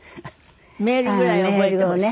メールぐらい覚えてほしい？